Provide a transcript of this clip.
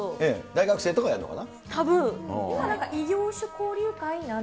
大学生とかがやるのかな。